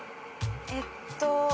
えっと。